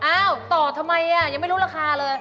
ต่อทำไมยังไม่รู้ราคาเลย